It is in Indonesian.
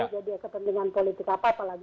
jadi kepentingan politik apa apa lagi